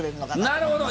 なるほど。